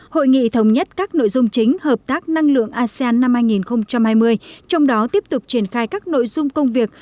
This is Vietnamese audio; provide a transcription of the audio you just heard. hội nghị thống nhất các nội dung chính hợp tác năng lượng asean năm hai nghìn hai mươi trong đó tiếp tục triển khai các nội dung công việc